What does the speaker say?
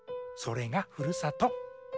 それがふるさと。